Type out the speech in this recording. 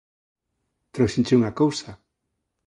Tróuxenche unha cousa.